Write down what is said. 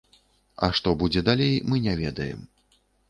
А што будзе далей, мы не ведаем.